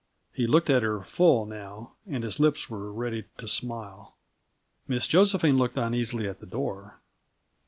He looked at her full, now, and his lips were ready to smile. Miss Josephine looked uneasily at the door.